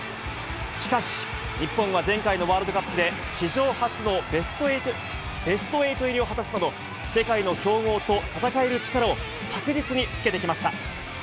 しかし、日本は前回のワールドカップで史上初のベスト８入りを果たすなど、世界の強豪と戦える力を着実につけてきました。